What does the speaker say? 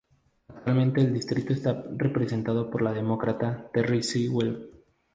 Actualmente el distrito está representado por la Demócrata Terri Sewell.